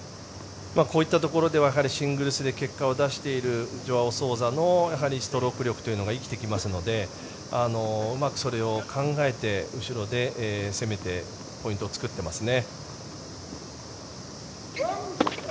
こういったところではシングルスで結果を出しているジョアオ・ソウザのストローク力というのが生きてきますのでうまくそれを考えて後ろで攻めてポイントを作っていますね。